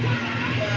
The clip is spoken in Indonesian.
tidak tahu tuhan